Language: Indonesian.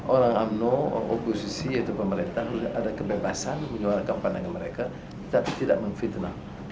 orang umno oposisi yaitu pemerintah ada kebebasan menyuarakan pandangan mereka tapi tidak memfitnah